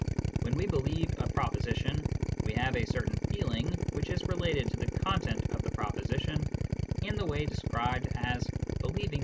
When we believe a proposition, we have a certain feeling which is related to the content of the proposition in the way described as " believing * Psychology, Chap.